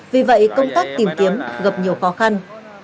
vì vậy công tác tìm kiếm gặp nhiều khó khăn